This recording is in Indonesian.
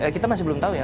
kita masih belum tahu ya